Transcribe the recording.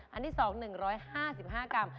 อันที่๒๑๕๕กรัม